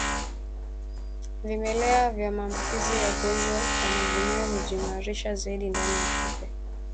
Vimelea vya maambukizi ya ugonjwa wa majimoyo hujiimarisha zaidi ndani ya kupe